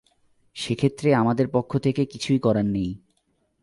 সেক্ষেত্রে আমাদের পক্ষ থেকে করার কিছু নেই।